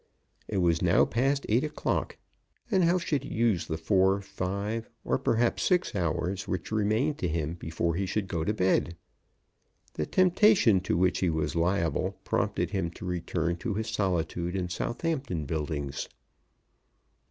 It was now past eight o'clock, and how should he use the four, five, or perhaps six hours which remained to him before he should go to bed? The temptation to which he was liable prompted him to return to his solitude in Southampton Buildings.